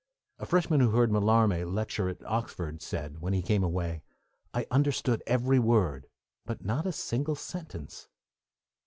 A freshman who heard Mallarmé lecture at Oxford said when he came away: 'I understood every word, but not a single sentence.'